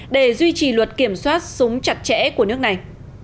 để duy trì luật kiểm soát súng chặt chẽ của nước này